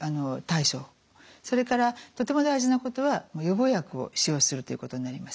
それからとても大事なことは予防薬を使用するということになります。